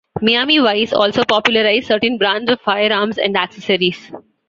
"Miami Vice" also popularized certain brands of firearms and accessories.